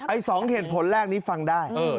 ๒เหตุผลแรกนี้ฟังได้